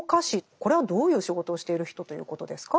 これはどういう仕事をしている人ということですか？